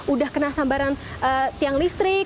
udah kena sambaran tiang listrik